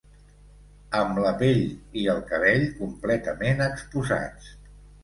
Amb la pell i el cabell completament exposats